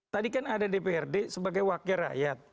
tadi kan ada dprd sebagai wakil rakyat